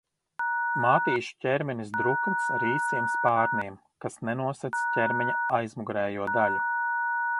Mātīšu ķermenis drukns ar īsiem spārniem, kas nenosedz ķermeņa aizmugurējo daļu.